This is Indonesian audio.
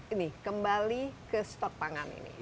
ini kembali ke stok pangan ini